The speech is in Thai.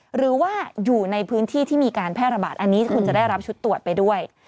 หรือว่าอยู่ในพื้นที่ที่มีการแพร่ระบาดอันนี้คุณจะได้รับชุดตรวจไปด้วย